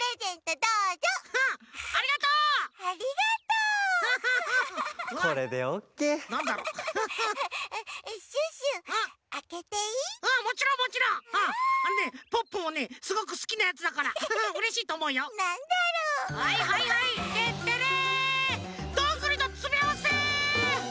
どんぐりのつめあわせ！